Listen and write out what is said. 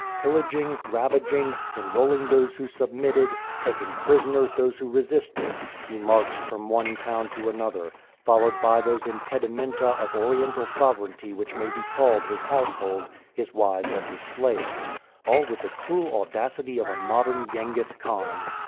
Pillaging, ravaging, enrolling those who submitted, taking prisoners those who resisted, he marched from one town to another, followed by those impedimenta of Oriental sovereignty which may be called his household, his wives and his slaves all with the cool audacity of a modern Ghengis Khan.